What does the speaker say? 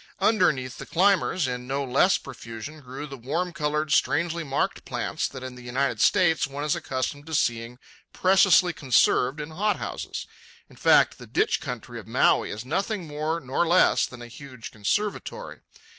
Underneath the climbers, in no less profusion, grew the warm coloured, strangely marked plants that in the United States one is accustomed to seeing preciously conserved in hot houses. In fact, the ditch country of Maui is nothing more nor less than a huge conservatory.